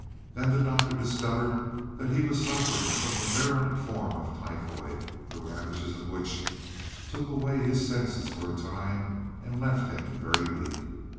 Then the doctor discovered that he was suffering from a virulent form of typhoid, the ravages of which took away his senses for a time and left him very weak.